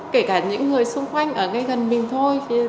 kể cả những người xung quanh ở ngay gần mình thôi